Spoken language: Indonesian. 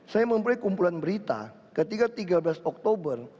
saya mempunyai kumpulan berita ketika tiga belas oktober